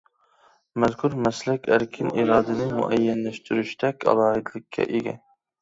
مەزكۇر مەسلەك ئەركىن ئىرادىنى مۇئەييەنلەشتۈرۈشتەك ئالاھىدىلىككە ئىگە.